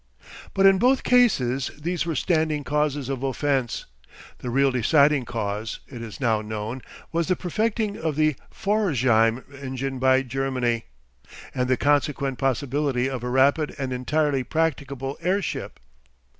But in both cases these were standing causes of offence. The real deciding cause, it is now known, was the perfecting of the Pforzheim engine by Germany and the consequent possibility of a rapid and entirely practicable airship.